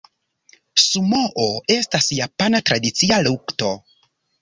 Sumoo estas japana tradicia lukto.